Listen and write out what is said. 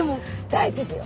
大丈夫よ。